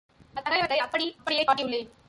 அத்தகையவற்றை அப்படி அப்படியே காட்டியுள்ளேன்.